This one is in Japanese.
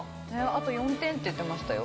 あと４点って言ってましたよ。